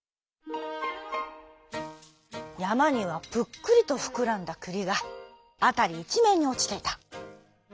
やまにはぷっくりとふくらんだくりがあたりいちめんにおちていた。